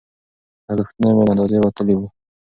لګښتونه مې له اندازې وتلي وو.